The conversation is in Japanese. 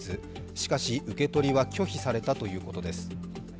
しかし、受け取りは拒否されたということです。